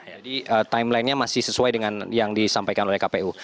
jadi timeline nya masih sesuai dengan yang disampaikan oleh kpu